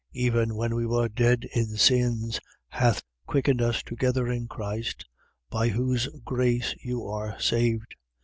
Even when we were dead in sins, hath quickened us together in Christ (by whose grace you are saved) 2:6.